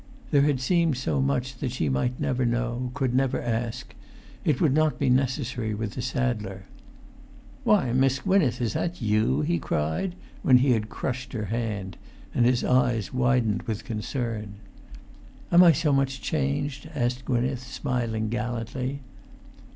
There had seemed so much that she might never know, could never ask; it would not be necessary with the saddler. "Why, Miss Gwynneth, is that you?" he cried, when he had crushed her hand; and his eyes widened with concern. "Am I so much changed?" asked Gwynneth, smiling gallantly.